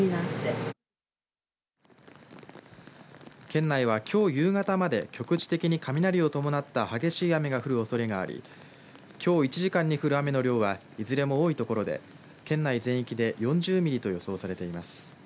県内は、きょう夕方まで局地的に雷を伴った激しい雨が降るおそれがありきょう１時間に降る雨の量はいずれも多い所で県内全域で４０ミリと予想されています。